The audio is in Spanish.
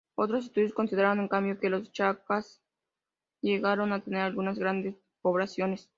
Otros estudios consideran, en cambio, que los Chancas llegaron a tener algunas grandes poblaciones.